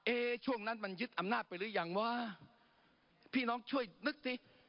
ช่วงนั้นมันยึดอำนาจไปหรือยังวะพี่น้องช่วยนึกสิ